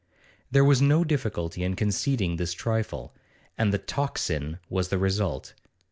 There was no difficulty in conceding this trifle, and the 'Tocsin' was the result.